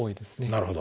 なるほど。